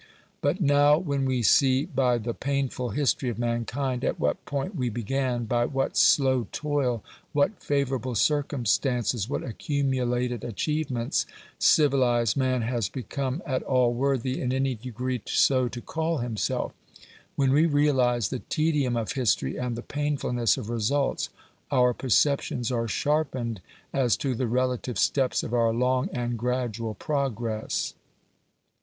But now, when we see by the painful history of mankind at what point we began, by what slow toil, what favourable circumstances, what accumulated achievements, civilised man has become at all worthy in any degree so to call himself when we realise the tedium of history and the painfulness of results our perceptions are sharpened as to the relative steps of our long and gradual progress.